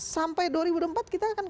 sampai dua ribu empat kita akan